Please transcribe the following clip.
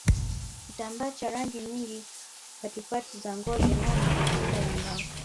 Kitambaa cha rangi nyingi patipati za ngozi ya ngombe na fimbo ya mbao